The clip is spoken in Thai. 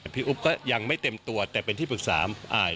อุ๊บก็ยังไม่เต็มตัวแต่เป็นที่ปรึกษา